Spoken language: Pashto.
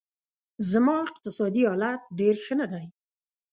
زما اقتصادي حالت ډېر ښه نه دی